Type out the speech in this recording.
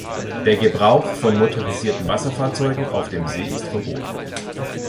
Der Gebrauch von motorisierten Wasserfahrzeugen auf dem See ist verboten.